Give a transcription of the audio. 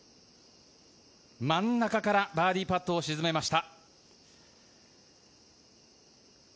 真ん中からバーディーパットを沈めました。